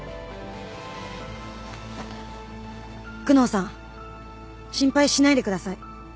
久能さん心配しないでください。